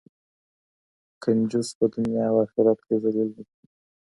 کنجوس په دنیا او آخرت کې ذلیل دی.